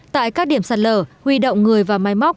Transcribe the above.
tại các điểm sạt lở huy động người và máy móc